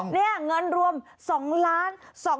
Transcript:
เนี่ยเงินรวม๒๒๘๙๓๒๓บาท